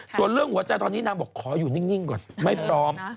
ส่วนเรื่องหัวใจตอนนี้นางบอกขออยู่นิ่งก่อนไม่พร้อม